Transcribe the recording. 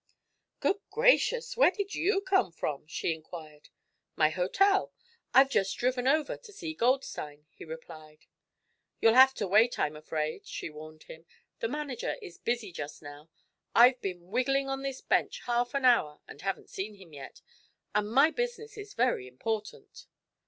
"Good gracious! Where did you come from?" she inquired. "My hotel. I've just driven over to see Goldstein," he replied. "You'll have to wait, I'm afraid," she warned him. "The manager is busy just now. I've been wiggling on this bench half an hour, and haven't seen him yet and my business is very important."